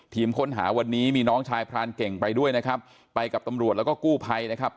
ค้นหาวันนี้มีน้องชายพรานเก่งไปด้วยนะครับไปกับตำรวจแล้วก็กู้ภัยนะครับ